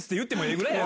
ぐらいやん